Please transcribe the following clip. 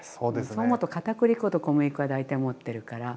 そう思うとかたくり粉と小麦粉は大体持ってるから。